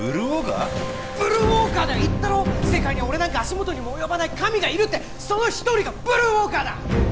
ブルーウォーカーだよ言ったろ世界には俺なんか足元にも及ばない神がいるってその一人がブルーウォーカーだ！